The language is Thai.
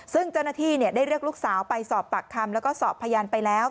ซึ่งเจ้าหน้าที่ได้เรียกลูกสาวไปสอบปากคำแล้วก็สอบพยานไปแล้ว